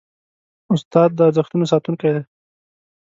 استاد د ارزښتونو ساتونکی دی.